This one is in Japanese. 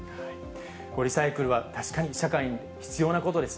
リサイクルは確かに社会に必要なことです。